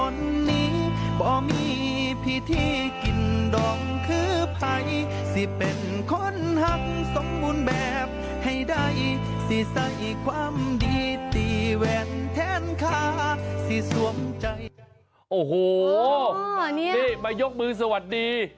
นี่มายกมือสวัสดี